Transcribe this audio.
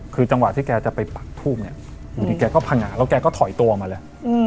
คือจังหวะที่แกจะไปปักทูบเนี่ยอยู่ดีแกก็พังงาแล้วแกก็ถอยตัวออกมาเลย